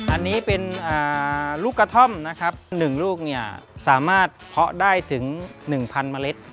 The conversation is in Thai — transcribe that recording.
อันนี้เป็นลูกกระท่อมหนึ่งลูกสามารถเพาะได้ถึง๑๐๐๐เมล็ด